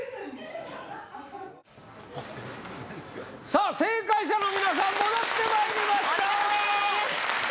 さあ正解者の皆さん戻ってまいりましたお見事です